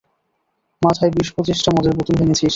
মাথায় বিশ-পঁচিশটা মদের বোতল ভেঙ্গেছিস।